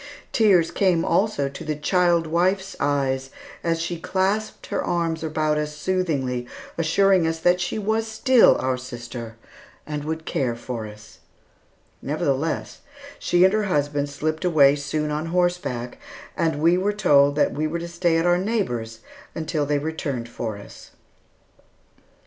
Tears came also to the child wife's eyes as she clasped her arms about us soothingly, assuring us that she was still our sister, and would care for us. Nevertheless, she and her husband slipped away soon on horseback, and we were told that we were to stay at our neighbor's until they returned for us.